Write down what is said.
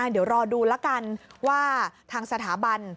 เดี๋ยวรอดูแล้วกันว่าทางสถาบัน